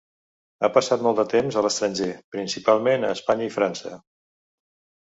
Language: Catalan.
Ha passat molt de temps a l'estranger, principalment a Espanya i França.